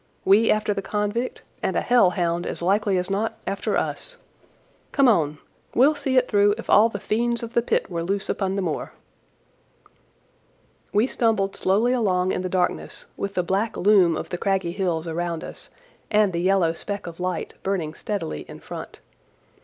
We after the convict, and a hell hound, as likely as not, after us. Come on! We'll see it through if all the fiends of the pit were loose upon the moor." We stumbled slowly along in the darkness, with the black loom of the craggy hills around us, and the yellow speck of light burning steadily in front.